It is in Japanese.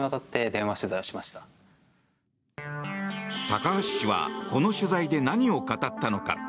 高橋氏は、この取材で何を語ったのか？